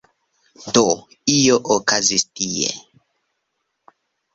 Do… io okazis tie.